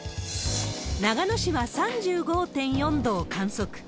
長野市は３５．４度を観測。